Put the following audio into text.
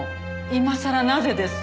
今さらなぜです？